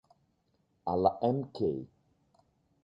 Alla Mk.